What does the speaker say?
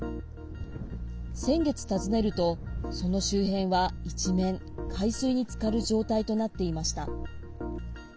先月、訪ねるとその周辺は一面海水につかる状態となっていました。